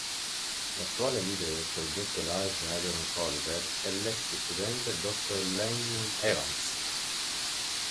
L'attuale leader del progetto Large Hadron Collider è l'ex studente Dr Lyn Evans.